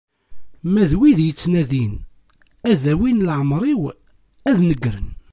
Ma d wid ittnadin ad awin leεmer-iw, ad negren.